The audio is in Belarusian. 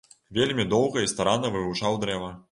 Вельмі доўга і старанна вывучаў дрэва.